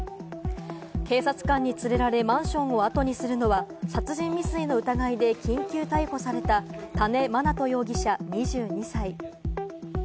警察官に連れられ、マンションをあとにするのは殺人未遂の疑いで緊急逮捕された、多禰茉奈都容疑者、２２歳。